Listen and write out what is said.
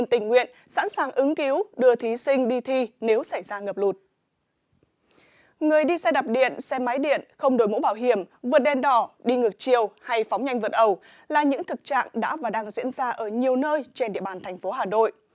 người đi xe đạp điện xe máy điện không đổi mũ bảo hiểm vượt đèn đỏ đi ngược chiều hay phóng nhanh vượt ẩu là những thực trạng đã và đang diễn ra ở nhiều nơi trên địa bàn thành phố hà nội